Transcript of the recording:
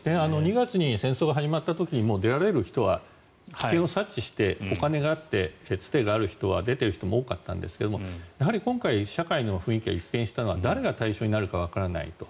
２月に戦争が始まった時にもう出られる人は危険を察知してお金があってつてがある人は出ている人も多かったんですがやはり今回社会の雰囲気が一変したのは誰が対象になるのかわからないと。